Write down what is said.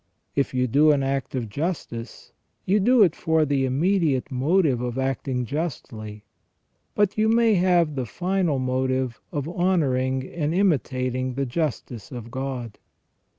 If you do an act of justice, you do it for the immediate motive of acting justly, but you may have the final motive of honouring and imitating the justice of God.